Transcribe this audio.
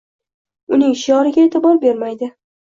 uning shioriga e’tibor bermaydi.